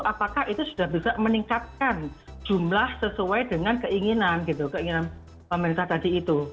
apakah itu sudah bisa meningkatkan jumlah sesuai dengan keinginan gitu keinginan pemerintah tadi itu